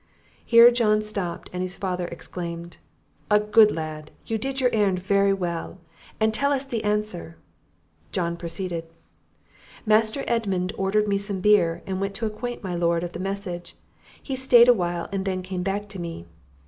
Here John stopped, and his father exclaimed "A good lad! you did your errand very well; and tell us the answer." John proceeded "Master Edmund ordered me some beer, and went to acquaint my Lord of the message; he stayed a while, and then came back to me.